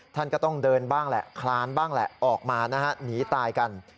ท่านก็ต้องเดินบ้างแหละคลานบ้างแหละออกมานะฮะหนีตายกัน